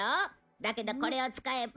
だけどこれを使えば。